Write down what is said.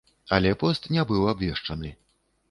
Але пост не быў абвешчаны.